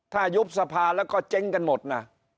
ถ้ายุบสภาแล้วก็เจ๊งกันหมดนะ